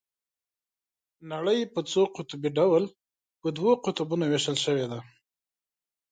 نړۍ په څو قطبي ډول په دوو قطبونو ويشل شوې ده.